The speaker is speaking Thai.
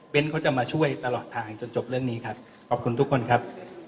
เป็นเขาจะมาช่วยตลอดทางจนจบเรื่องนี้ครับขอบคุณทุกคนครับ